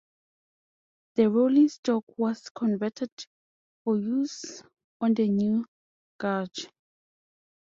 The rolling stock was converted for use on the new gauge.